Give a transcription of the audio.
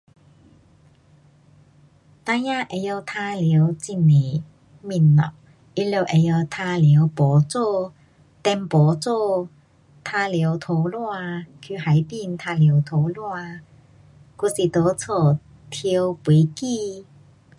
孩儿会晓玩耍很多东西，他们会晓玩耍宝珠，丢宝珠，玩耍土砂，去海边玩耍土砂，还是在家跳飞机。